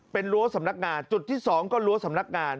เป็นรั้วสำนักงานจุดที่๒ก็รั้วสำนักงาน